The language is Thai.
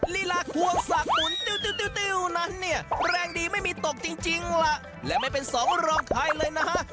ลีลาควงสักหมุนติ้วนั้นเนี่ยแรงดีไม่มีตกจริงล่ะและไม่เป็นสองรองใครเลยนะฮะ